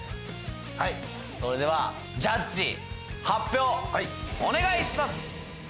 はいそれではジャッジ発表お願いします